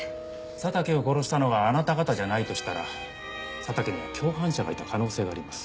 佐竹を殺したのがあなた方じゃないとしたら佐竹に共犯者がいた可能性があります。